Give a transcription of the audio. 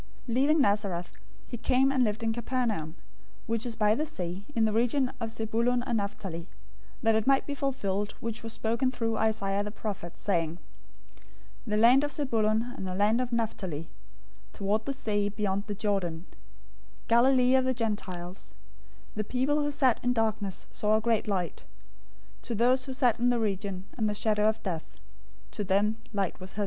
004:013 Leaving Nazareth, he came and lived in Capernaum, which is by the sea, in the region of Zebulun and Naphtali, 004:014 that it might be fulfilled which was spoken through Isaiah the prophet, saying, 004:015 "The land of Zebulun and the land of Naphtali, toward the sea, beyond the Jordan, Galilee of the Gentiles, 004:016 the people who sat in darkness saw a great light, to those who sat in the region and shadow of death, to them light has dawned."